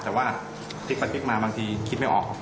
แต่ว่าพลิกไปพลิกมาบางทีคิดไม่ออก